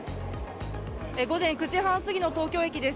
午前９時半過ぎの東京駅です。